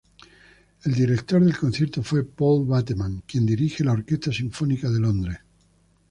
El director del concierto fue Paul Bateman, quien dirige la Orquesta Sinfónica de Londres.